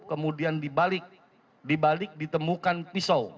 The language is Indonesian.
kemudian dibalik ditemukan pisau